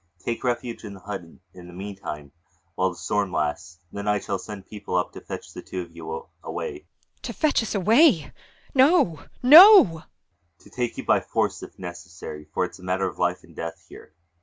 Take refuge in the hut in the mean time while the storm lasts. Then I shall send people up to fetch the two of you away. IRENE. [In terror.] To fetch us away! No, no! ULFHEIM. [Harshly.] To take you by force if necessary for it's a matter of life and death here.